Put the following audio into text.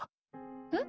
え。